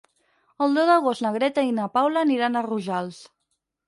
El deu d'agost na Greta i na Paula aniran a Rojals.